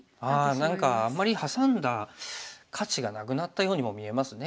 何かあんまりハサんだ価値がなくなったようにも見えますね